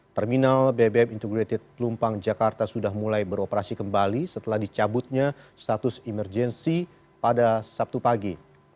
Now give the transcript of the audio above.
terminal bbm integrated pelumpang jakarta sudah mulai beroperasi kembali setelah dicabutnya status emergensi pada sabtu pagi